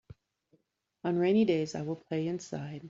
On rainy days I will play inside.